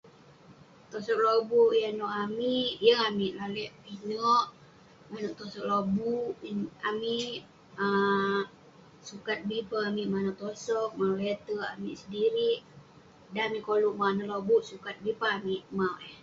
Tosog lobuk yah nouk amik, yeng amik lalek pinek. Manouk tosog lobuk, amik- um sukat bi peh amik manouk tosog, manouk leterk amik sedirik. Dan amik koluk mauk anah lobuk, sukat bi peh amik mauk eh.